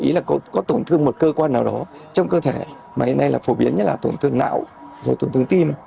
ý là có tổn thương một cơ quan nào đó trong cơ thể mà hiện nay là phổ biến nhất là tổn thương não rồi tổn thương tim